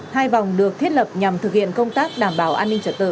hai vòng được thiết lập nhằm thực hiện công tác đảm bảo an ninh trật tự